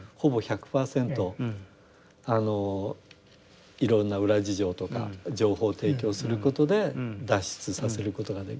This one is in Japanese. あのいろんな裏事情とか情報を提供することで脱出させることができる。